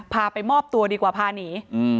พาไปมอบตัวดีกว่าพาหนี